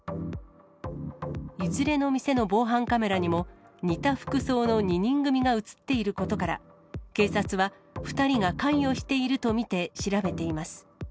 いずれの店の防犯カメラにも、似た服装の２人組が写っていることから、警察は２人が関与していると見て、調べています。